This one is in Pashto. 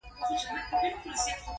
د دې هیواد حیرانوونکې ترقي هم پکې ده.